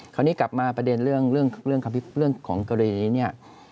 คราวนี้กลับมาประเด็นเรื่องของกรณีเนี่ย